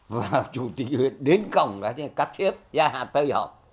vào chủ tịch huyện đến cổng là các chếp gia hạt tây họp